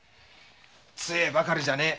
強いばかりじゃねえ。